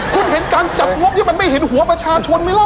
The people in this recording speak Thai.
คุณเห็นการจัดงบที่มันไม่เห็นหัวประชาชนไหมล่ะ